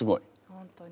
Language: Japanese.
本当に。